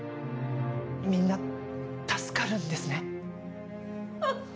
みんな助かるんですね